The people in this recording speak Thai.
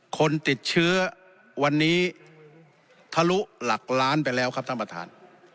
คนติดเชื้อวันนี้ทะลุหลักล้านไปแล้วครับท่านประธาน